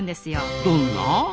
どんな？